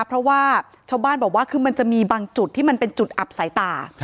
เพราะว่าชาวบ้านบอกว่าคือมันจะมีบางจุดที่มันเป็นจุดอับสายตา